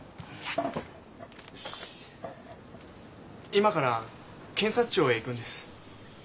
今から検察庁へ行くんです。